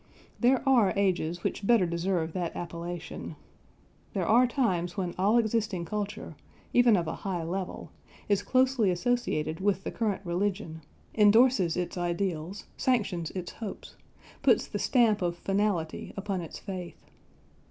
There are ages which better deserve that appellation. There are times when all existing culture even of a high level is closely associated with the current religion, endorses its ideals, sanctions its hopes, puts the stamp of finality upon its faith.